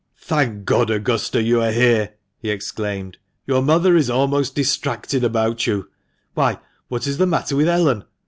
" Thank God, Augusta, you are here !" he exclaimed. " Your mother is almost distracted about you — Why, what is the matter with Ellen